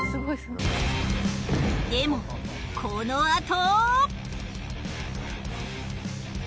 でもこのあと。